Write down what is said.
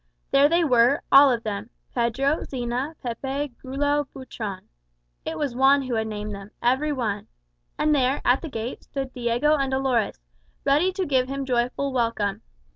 There they were, all of them Pedro, Zina, Pepe, Grullo, Butron it was Juan who had named them, every one. And there, at the gate, stood Diego and Dolores, ready to give him joyful welcome.